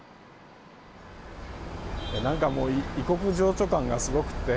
何か、もう異国情緒感がすごくて。